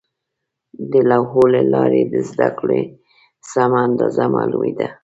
د لوحو له لارې د زده کړې سمه اندازه معلومېده.